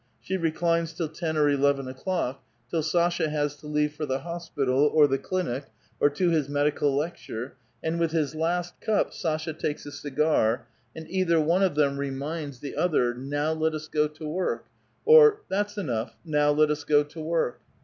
She re clines till ten or eleven o'clock, till Sasha has to leave for the hospital or the clinic or to his medical lecture, and with his last cup Sasha takes a cigar, and either one of them reminds > Khozffdistvo. SCO A VITAL QUESTION. the other, "Now let us go to work" ; or, " That's enough; now let us go to work."